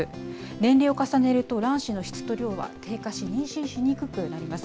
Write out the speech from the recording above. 年齢を重ねると卵子の質と量は低下し、妊娠しにくくなります。